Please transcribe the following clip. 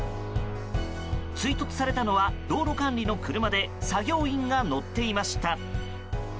追突されたのは道路管理の車で作業員が乗っていました。